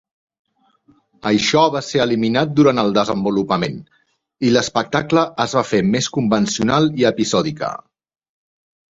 Això va ser eliminat durant el desenvolupament, i l'espectacle es va fer més convencional i episòdica.